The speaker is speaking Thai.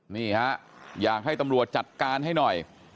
นี่ฮะอยากให้ตำรวจจัดการให้หน่อย